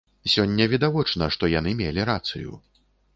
Сёння, відавочна, што яны мелі рацыю.